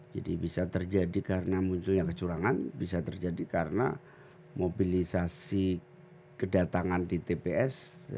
jadi bisa terjadi karena munculnya kecurangan bisa terjadi karena mobilisasi kedatangan di tps